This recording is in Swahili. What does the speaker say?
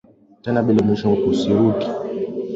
Tena bila mwisho sirudi.